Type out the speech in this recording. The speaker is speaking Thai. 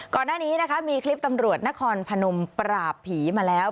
ก่อนหน้านี้นะคะมีคลิปตำรวจนครพนมปราบผีมาแล้ว